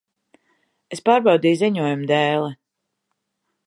Es pārbaudīju ziņojumu dēli.